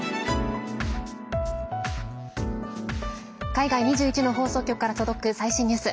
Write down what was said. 海外２１の放送局から届く最新ニュース。